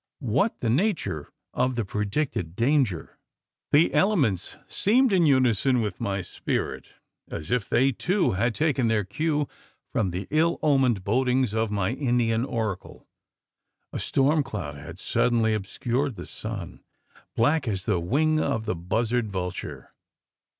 What the nature of the predicted danger? The elements seemed in unison with my spirit: as if they too had taken their cue from the ill omened bodings of my Indian oracle! A storm cloud had suddenly obscured the sun black as the wing of the buzzard vulture.